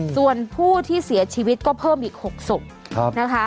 ส่วนผู้ที่เสียชีวิตก็เพิ่มอีก๖ศพนะคะ